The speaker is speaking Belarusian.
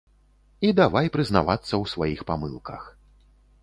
І давай прызнавацца ў сваіх памылках.